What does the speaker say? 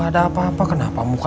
kakak berangkat dulu ya